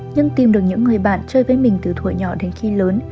nhưng tìm được những người bạn chơi với mình từ thủa nhỏ đến khi lớn